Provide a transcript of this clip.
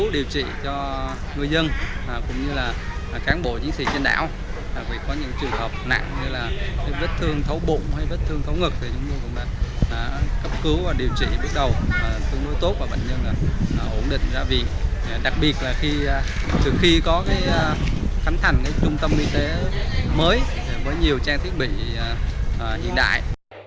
đặc biệt là từ khi có khánh thẳng trung tâm y tế mới mới nhiều trang thiết bị hiện đại